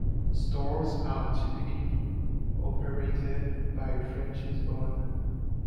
Stores are typically operated by a franchise owner.